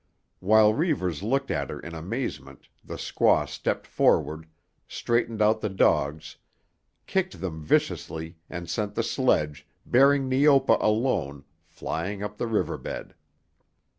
While Reivers looked at her in amazement the squaw stepped forward, straightened out the dogs, kicked them viciously and sent the sledge, bearing Neopa alone, flying up the river bed.